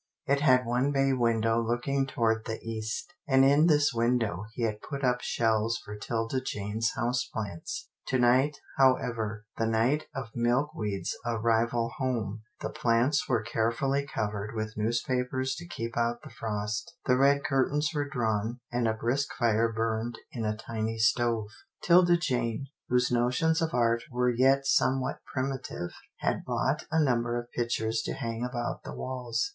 It had one bay window looking toward the east, and in this window he had put up shelves for 'Tilda Jane's house plants. To night, however, the night of Milkweed's arrival home, the plants were care fully covered with newspapers to keep out the frost, the red curtains were drawn, and a brisk fire burned in a tiny stove. 42 'TILDA JANE'S ERRAND 43 Tilda Jane, whose notions of art were yet some what primitive, had bought a number of pictures to hang about the walls.